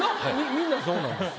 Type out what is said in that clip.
みんなそうなんです。